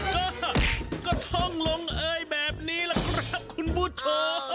ก็ก็ท่องลงเอยแบบนี้แหละครับคุณผู้ชม